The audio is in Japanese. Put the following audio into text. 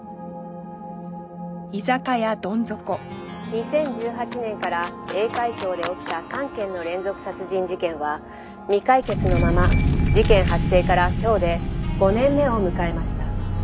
２０１８年から栄海町で起きた３件の連続殺人事件は未解決のまま事件発生から今日で５年目を迎えました。